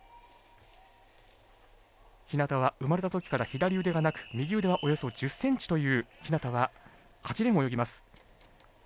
日向は生まれたときから左腕がなく右腕は、およそ１０ｃｍという日向は８レーンを泳ぎます。